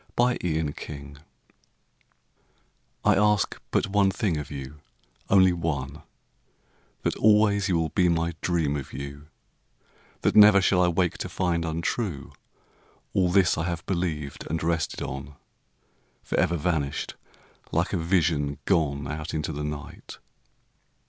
To a Friend I ask but one thing of you, only one, That always you will be my dream of you; That never shall I wake to find untrue All this I have believed and rested on, Forever vanished, like a vision gone Out into the night.